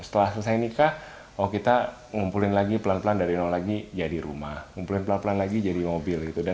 setelah selesai nikah oh kita ngumpulin lagi pelan pelan dari nol lagi jadi rumah ngumpulin pelan pelan lagi jadi mobil gitu